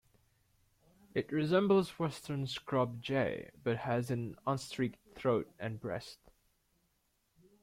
It resembles the western scrub jay, but has an unstreaked throat and breast.